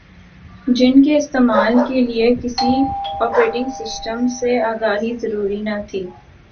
جن کے استعمال کے لئے کسی اوپریٹنگ سسٹم سے آگاہی ضروری نہ تھی